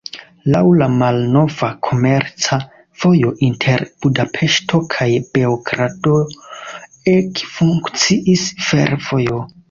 Laŭ la malnova komerca vojo inter Budapeŝto kaj Beogrado ekfunkciis fervojo.